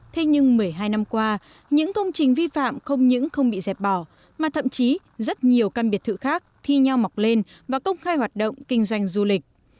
thế nhưng một mươi hai năm qua những công trình vi phạm không những không bị dẹp bỏ mà thậm chí rất nhiều căn biệt thự khác thi nhau mọc lên và công khai hoạt động kinh doanh du lịch